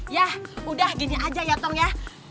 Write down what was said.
ya udah gini aja ya tong ya